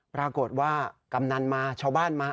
ปรากฏว่ากำนันมาชาวบ้านมา